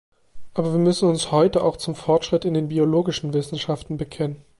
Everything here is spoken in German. Aber wir müssen uns heute auch zum Fortschritt in den biologischen Wissenschaften bekennen.